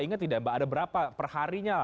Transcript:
ingat tidak mbak ada berapa perharinya